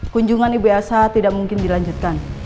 kunjungan ibu asa tidak mungkin dilanjutkan